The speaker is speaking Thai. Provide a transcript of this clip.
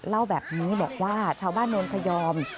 เล่าแบบนี้บอกว่าชาวบ้านโนนพยอม